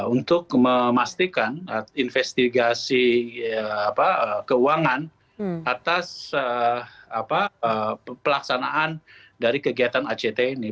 untuk memastikan investigasi keuangan atas pelaksanaan dari kegiatan act ini